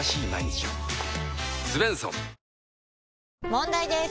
問題です！